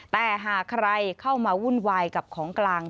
แต่หากใครเข้ามาวุ่นวายกับของกลาง